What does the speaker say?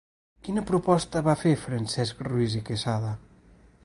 Quina proposta va fer Francesc Ruiz i Quesada?